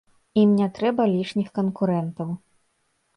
Ім не трэба лішніх канкурэнтаў.